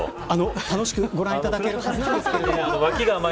楽しくご覧いただけるはずなんですけど。